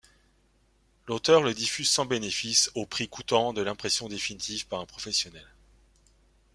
L'auteure le diffuse sans bénéfice, au prix coûtant de l'impression définitive par un professionnel.